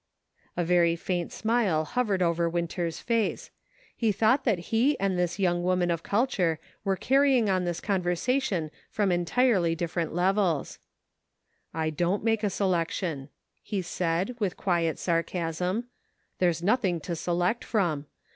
A very faint smile hovered over Winter's face ; he thought that he and this young woman of cult ure were carrying on this conversation from en tirely different levels. " I don't make a selection," he said, with quiet sarcasm ; "there's nothing to select from.